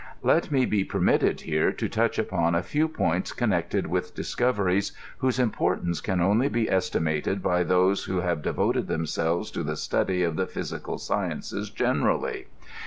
Let me be permitted here to touch upon a few points con nected with discoveries, whose importance can only be esti mated by those who haipe devoted themselves to ^e study of the ph3rBical 8cienoe» generally.